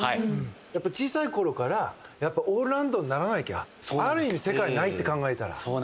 やっぱ、小さい頃からオールラウンドにならなきゃある意味世界ないって考えたら。